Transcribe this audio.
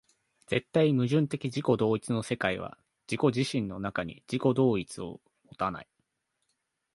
絶対矛盾的自己同一の世界は自己自身の中に自己同一を有たない。